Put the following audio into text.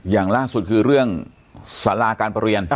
อย่างล่าสุดคือเรื่องสาราการประเรียน